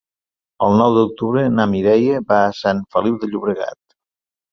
El nou d'octubre na Mireia va a Sant Feliu de Llobregat.